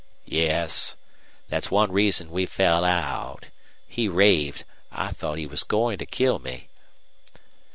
"Yes. That's one reason we fell out. He raved. I thought he was goin' to kill me."